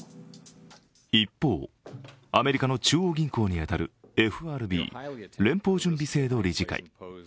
一方、アメリカの中央銀行に当たるＦＲＢ＝連邦準備制度理事会。